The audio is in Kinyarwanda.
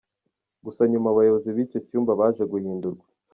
Gusa nyuma abayobozi b’icyo cyumba baje guhindurwa.